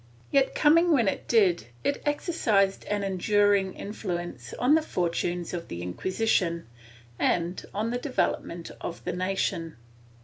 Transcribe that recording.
Yet, coming when it did, it exercised an enduring influence on the fortunes of the Inquisition, and on the development of the nation.